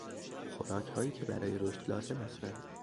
خوراکهایی که برای رشد لازم هستند